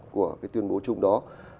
của cái tuyên bố chung đó